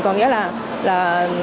có nghĩa là